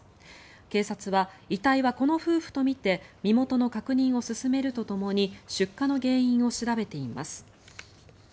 警察は遺体はこの夫婦とみて身元の確認を進めるとともに出火の原因を調べています。